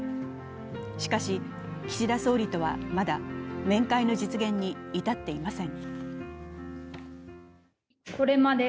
しかし、岸田総理とはまだ面会の実現に至っていません。